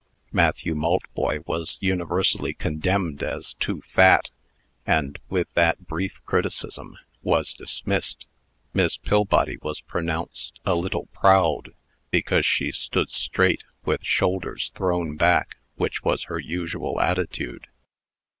Matthew Maltboy was universally condemned as too fat, and, with that brief criticism, was dismissed. Miss Pillbody was pronounced "a little proud," because she stood straight, with shoulders thrown back, which was her usual attitude.